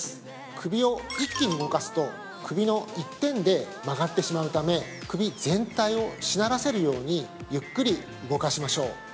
首を一気に動かすと首の１点で曲がってしまうため首全体をしならせるようにゆっくり動かしましょう。